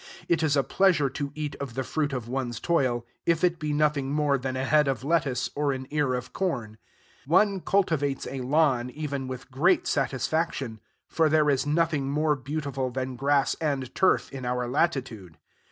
It is a pleasure to eat of the fruit of one's toil, if it be nothing more than a head of lettuce or an ear of corn. One cultivates a lawn even with great satisfaction; for there is nothing more beautiful than grass and turf in our latitude.